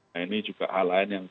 nah ini juga hal lain yang